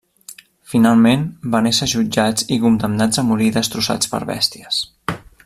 Finalment, van ésser jutjats i condemnats a morir destrossats per bèsties.